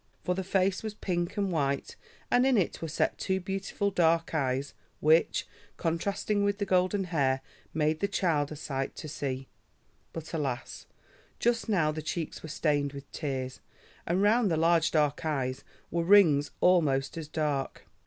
For the face was pink and white, and in it were set two beautiful dark eyes, which, contrasting with the golden hair, made the child a sight to see. But alas! just now the cheeks were stained with tears, and round the large dark eyes were rings almost as dark.